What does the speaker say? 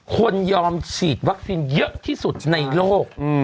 คนยอมฉีดวัคซีนเยอะที่สุดในโลก